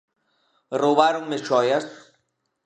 Roubáronme xoias...